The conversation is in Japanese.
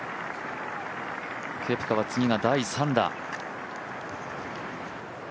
ケプカは次が第３打。